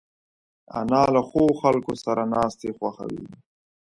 انا له ښو خلکو سره ناستې خوښوي